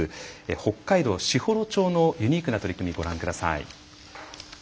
北海道士幌町のユニークな取り組みご覧ください。